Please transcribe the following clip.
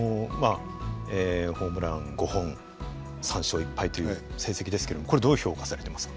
ホームラン５本３勝１敗という成績ですけれどもこれどう評価されていますか。